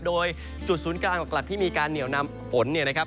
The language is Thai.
โดยจุดศูนย์กลางหลักที่มีการเหนียวนำฝนเนี่ยนะครับ